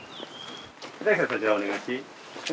そちらお願いしていい？